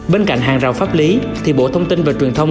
bên cạnh hàng rào pháp lý thì bộ thông tin và truyền thông